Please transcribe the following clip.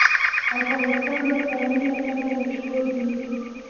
افغانستان د پامیر لپاره مشهور دی.